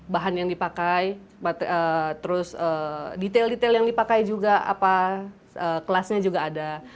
bahan yang dipakai terus detail detail yang dipakai juga kelasnya juga ada